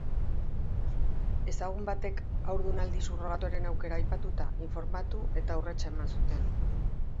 Ezagun batek haurdunaldi subrogatuaren aukera aipatuta, informatu eta urratsa eman zuten.